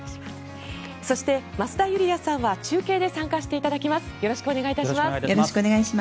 そして、増田ユリヤさんは中継で参加していただきます。